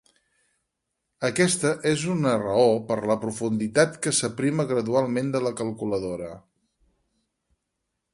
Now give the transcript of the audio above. Aquesta és una raó per la profunditat que s'aprima gradualment de la calculadora.